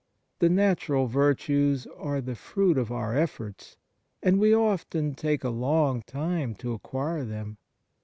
The natural virtues are the fruit of our efforts, and we often take a long time to acquire them.